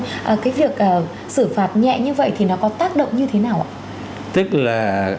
vậy cái việc xử phạt nhẹ như vậy thì nó có tác động như thế nào ạ